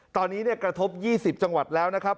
ตอนนี้กระทบ๒๐จังหวัดแล้วนะครับ